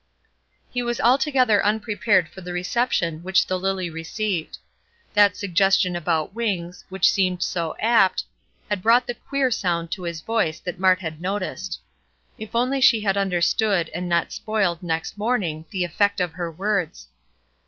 He was altogether unprepared for the reception which the lily received. That suggestion about wings, which seemed so apt, had brought the "queer" sound to his voice that Mart had noticed. If only she had understood, and not spoiled, next morning, the effect of her words.